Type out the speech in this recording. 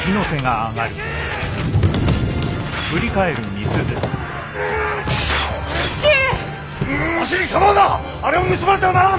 あれを盗まれてはならん！